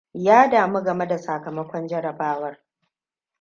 Ya damu game da sakamakon jarabawar.